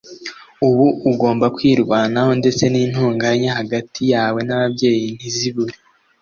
uba ugomba kwirwanaho ndetse n’intonganya hagati yawe n’ababyeyi ntizibure